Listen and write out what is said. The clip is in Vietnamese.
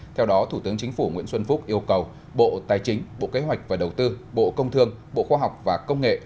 theo đó thủ tướng chính phủ nguyễn xuân phúc yêu cầu bộ tài chính bộ kế hoạch và đầu tư bộ công thương bộ khoa học và công nghệ